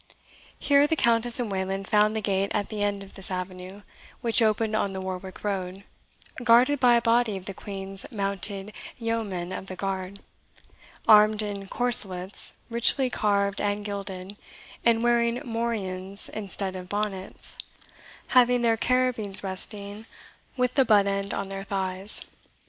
Here the Countess and Wayland found the gate at the end of this avenue, which opened on the Warwick road, guarded by a body of the Queen's mounted yeomen of the guard, armed in corselets richly carved and gilded, and wearing morions instead of bonnets, having their carabines resting with the butt end on their thighs.